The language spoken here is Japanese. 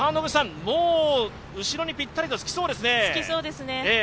もう、後ろにぴったりとつきそうですね。